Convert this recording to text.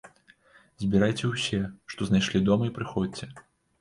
Збірайце ўсе, што знайшлі дома і прыходзьце!